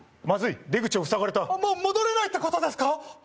まずい出口をふさがれたもう戻れないってことですか？